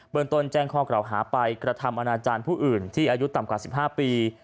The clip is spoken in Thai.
ตนแจ้งข้อกล่าวหาไปกระทำอนาจารย์ผู้อื่นที่อายุต่ำกว่า๑๕ปี